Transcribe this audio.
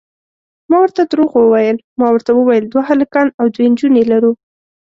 ما ورته درواغ وویل، ما ورته وویل دوه هلکان او دوې نجونې لرو.